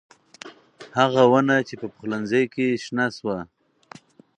هغه ونه چې په پخلنخي کې شنه شوه